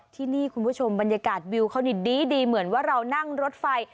ที่นี่คุณผู้ชมบรรยากาศวิวเขานี่ดีเหมือนว่าเรานั่งรถไฟ